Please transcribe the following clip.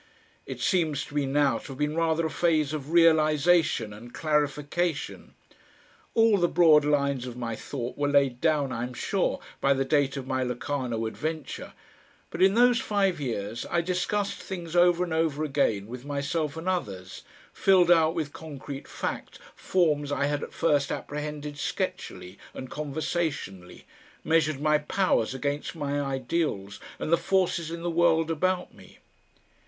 It seems to me now to have been rather a phase of realisation and clarification. All the broad lines of my thought were laid down, I am sure, by the date of my Locarno adventure, but in those five years I discussed things over and over again with myself and others, filled out with concrete fact forms I had at first apprehended sketchily and conversationally, measured my powers against my ideals and the forces in the world about me.